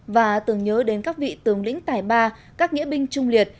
và tưởng nhớ đến các vị tướng lĩnh tài ba các nghĩa binh trung liệt